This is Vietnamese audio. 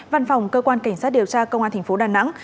văn phòng cơ quan cảnh sát điều tra công an tp đà nẵng